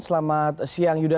selamat siang yuda